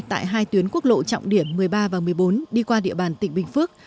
đoạn điểm một mươi ba và một mươi bốn đi qua địa bàn tỉnh bình phước